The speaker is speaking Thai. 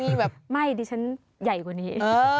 มีแบบไม่ดิฉันใหญ่กว่านี้